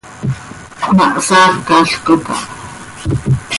Ma hsaacalcot aha.